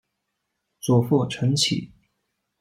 祖父陈启。